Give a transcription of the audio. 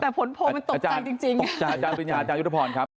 แต่ผลโพลปัจจารย์มันตกใจจริง